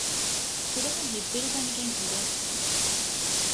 ކުޑަކޮށް ހިތްބިރުގަނެގެން ހުރޭ